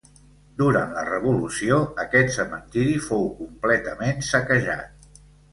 Durant la Revolució, aquest cementiri fou completament saquejat.